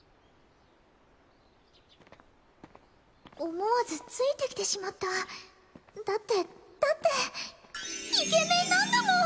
思わずついてきてしまっただってだってイケメンなんだもん